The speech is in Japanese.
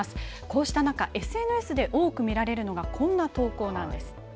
こうした中、ＳＮＳで多く見られるのがこんな投稿です。